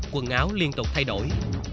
quần áo liên tục thay đổi